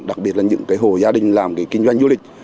đặc biệt là những hồ gia đình làm kinh doanh du lịch